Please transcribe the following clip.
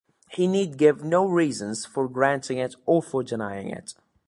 He need give no reasons for granting it or for denying it.